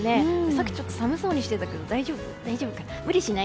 さっきちょっと寒そうにしてたけど大丈夫かな。